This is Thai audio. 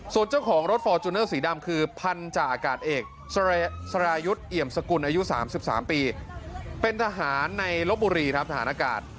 ส่วนเจ้าของรถฟอร์จูเนอร์สีดำคือพันธาอากาศเอกสรายุทธ์เอี่ยมสกุลอายุ๓๓ปีเป็นทหารในลบบุรีครับทหารอากาศ